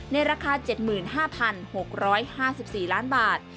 ในราคา๗๕๖๕๔ล้านบาท